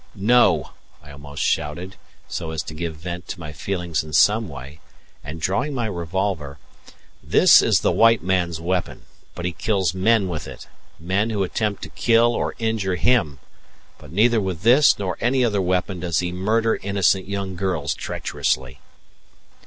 "No," I almost shouted, so as to give vent to my feelings in some way, and drawing my revolver, "this is the white man's weapon; but he kills men with it men who attempt to kill or injure him but neither with this nor any other weapon does he murder innocent young girls treacherously."